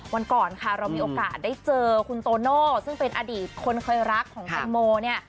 วันก่อนค่ะเรามีโอกาสได้เจอคุณโตโน่ซึ่งเป็นอดีตคนเคยรักของแตงโมเนี่ย